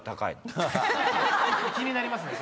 ・気になりますね